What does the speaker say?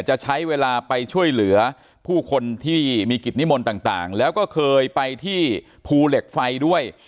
จะใช้เวลาไปช่วยเหลือผู้คนที่มีกิจนิมนต์ต่างแล้วก็เคยไปที่ภูเหล็กไฟด้วย